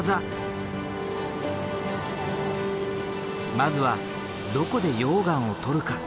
まずはどこで溶岩を採るか？